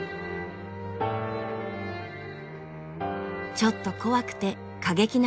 ちょっと怖くて過激なイメージ。